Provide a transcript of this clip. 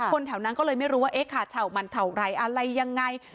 แถวนั้นก็เลยไม่รู้ว่าเอ๊ะค่ะเฉ่ามันเท่าไรอะไรยังไง